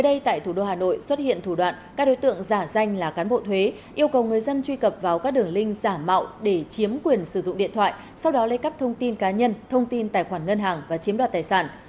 trước đây tại thủ đô hà nội xuất hiện thủ đoạn các đối tượng giả danh là cán bộ thuế yêu cầu người dân truy cập vào các đường linh giả mạo để chiếm quyền sử dụng điện thoại sau đó lấy cắp thông tin cá nhân thông tin tài khoản ngân hàng và chiếm đoạt tài sản